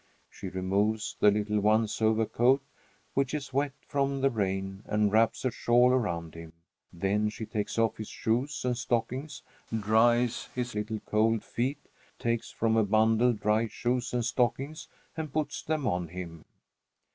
She removes the little one's overcoat, which is wet from the rain, and wraps a shawl around him. Then she takes off his shoes and stockings, dries his little cold feet, takes from a bundle dry shoes and stockings and puts them on him.